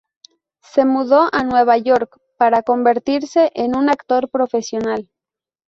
Se mudó a Nueva York para convertirse en un actor profesional.